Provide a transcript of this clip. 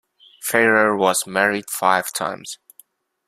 Ferrer was married five times.